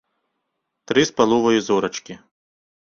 Тры з паловаю зорачкі.